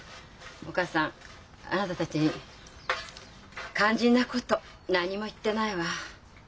お母さんあなたたちに肝心なこと何も言ってないわ。